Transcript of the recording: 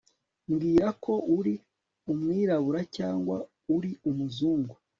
mbwira ko uri umwirabura cyangwa uri umuzungu